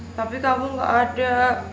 tapi kamu gak ada